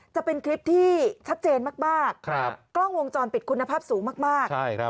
จะเป็นคลิปที่ชัดเจนมากกล้องวงจรปิดคุณภาพสูงมาก